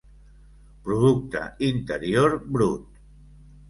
Producte Interior Brut.